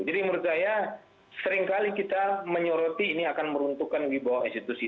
jadi menurut saya seringkali kita menyoroti ini akan meruntuhkan di bawah institusi